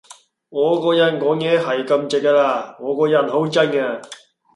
我個人講嘢係咁直㗎喇，我個人好真㗎